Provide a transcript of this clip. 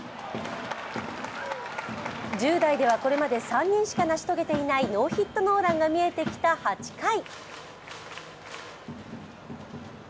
１０代ではこれまで３人しか成し遂げていないノーヒットノーランが見えてきた８回。